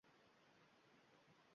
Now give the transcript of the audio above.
Kabobxonaga taklif etdim.